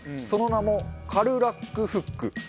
その名もかるラクフック。